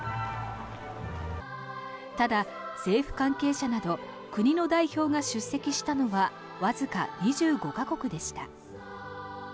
ただ、政府関係者など国の代表が出席したのはわずか２５か国でした。